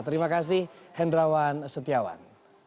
terima kasih hendrawan setiawan